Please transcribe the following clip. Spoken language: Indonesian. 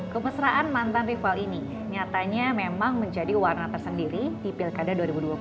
kemesraan mantan rival ini nyatanya memang menjadi warna tersendiri di pilkada dua ribu dua puluh